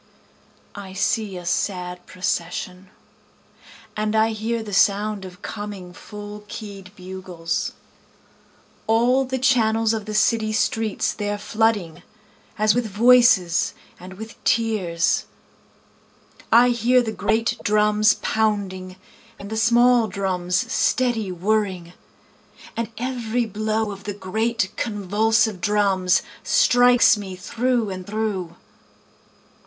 I see a sad procession, And I hear the sound of coming full keyâd bugles, All the channels of the city streets theyâre flooding, As with voices and with tears. I hear the great drums pounding, And the small drums steady whirring, And every blow of the great convulsive drums, Strikes me through and through.